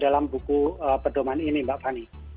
dalam buku pedoman ini mbak fani